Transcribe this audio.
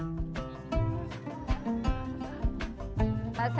keduri ruahan ini diberikan kemampuan untuk mengingatkan orang orang tua kita